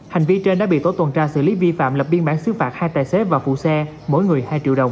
hành vi trên đã bị tổ tuần tra xử lý vi phạm lập biên bản xứ phạt hai tài xế và phụ xe mỗi người hai triệu đồng